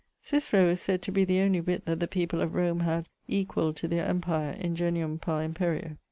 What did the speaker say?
Cicero is sayd to be the only wit that the people of Rome had, equall'd to their empire, ingenium par imperio.